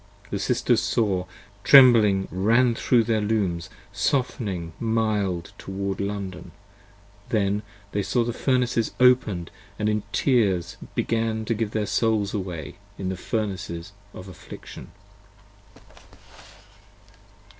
75 The Sisters saw: trembling ran thro' their Looms, soften[in]g mild Towards London: then they saw the Furna[c]es open'd, & in tears Began to give their souls away in the Furna[c]es of affliction.